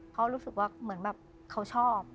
เขารู้สึกว่าเขาชอบ